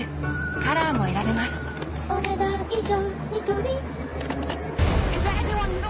カラーも選べますお、ねだん以上。